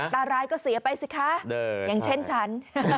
ตายก็เสียไปสิคะอย่างเช่นฉัน